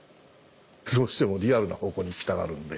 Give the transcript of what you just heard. どうしてもリアルな方向に行きたがるので。